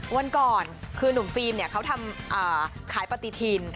วันก่อนคือนุ่มฟิล์มเนี่ยเขาทำขายปฏิทิน